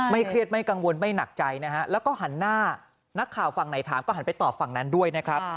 เครียดไม่กังวลไม่หนักใจนะฮะแล้วก็หันหน้านักข่าวฝั่งไหนถามก็หันไปตอบฝั่งนั้นด้วยนะครับ